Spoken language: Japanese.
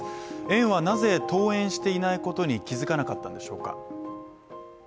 園はなぜ、登園していないことに気づかなかったのでしょうか。